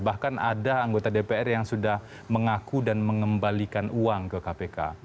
bahkan ada anggota dpr yang sudah mengaku dan mengembalikan uang ke kpk